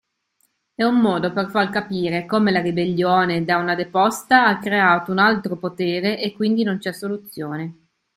È un modo per far capire come la ribellione da un despota ha creato un altro potere e quindi non c'è soluzione.